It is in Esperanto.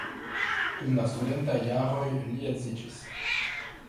Dum la studentaj jaroj li edziĝis.